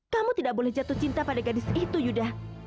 kamu tidak boleh jatuh cinta pada gadis itu yuda